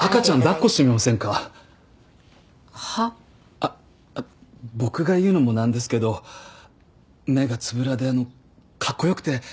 あっ僕が言うのもなんですけど目がつぶらでかっこよくてイケメンさんですよ。